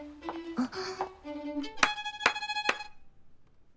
あっ。